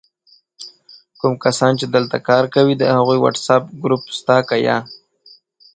کوم کسان چې دلته کار کوي د هغوي وټس آپ ګروپ سته که یا؟!